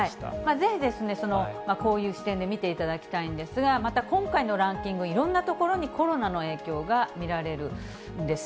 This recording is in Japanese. ぜひ、こういう視点で見ていただきたいんですが、また今回のランキング、いろんなところにコロナの影響が見られるんです。